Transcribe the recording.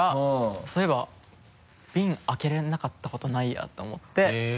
そういえばビン開けれなかった事ないやと思ってへぇ。